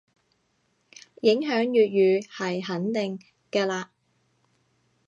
影響粵語係肯定嘅嘞